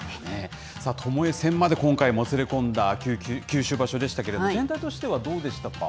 ともえ戦まで今回もつれ込んだ九州場所でしたけれども、全体としてはどうでしたか。